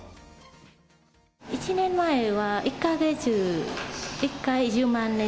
１年前は１か月１回１０万円。